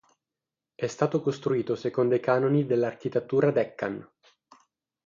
È stato costruito secondo i canoni dell'architettura Deccan.